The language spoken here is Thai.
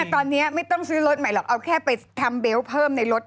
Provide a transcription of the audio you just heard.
ตอนนี้ไม่ต้องซื้อรถใหม่หรอกเอาแค่ไปทำเบลต์เพิ่มในรถ